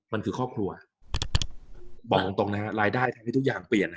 มันคือครอบครัวบอกจริงรายได้ทั้งทุกอย่างเปลี่ยน